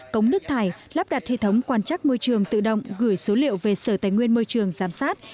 cống nước thải lắp đặt hệ thống quan trắc môi trường tự động gửi số liệu về sở tài nguyên môi trường giám sát